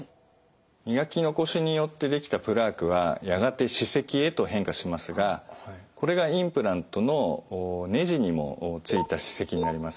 磨き残しによって出来たプラークはやがて歯石へと変化しますがこれがインプラントのねじにもついた歯石になります。